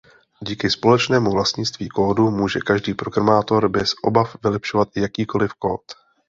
Díky společnému vlastnictví kódu může každý programátor bez obav vylepšovat jakýkoliv kód.